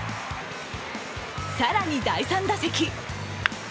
更に第３打席。